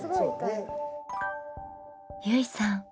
ゆいさん